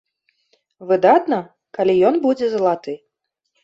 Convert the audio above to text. Выдатна, калі ён будзе залаты.